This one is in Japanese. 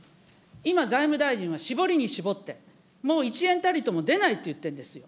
今、財務大臣は絞りに絞って、もう一円たりとも出ないと言ってるんですよ。